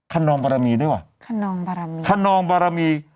คนนองบรมีได้หวะคนนองบรมี